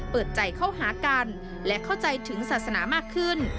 เปิดใจเข้าหากันและเข้าใจถึงศาสนามากขึ้น